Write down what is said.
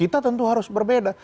tapi harus berbeda